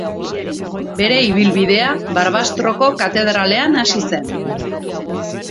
Bere ibilbidea Barbastroko katedralean hasi zen.